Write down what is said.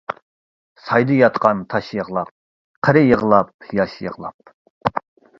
سايدا ياتقان تاش يىغلاپ، قېرى يىغلاپ ياش يىغلاپ.